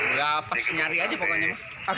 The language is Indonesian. udah pas nyari aja pokoknya